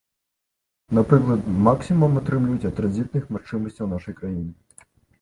Напрыклад, максімум атрымліваць ад транзітных магчымасцяў нашай краіны.